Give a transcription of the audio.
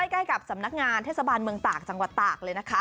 ใกล้กับสำนักงานเทศบาลเมืองตากจังหวัดตากเลยนะคะ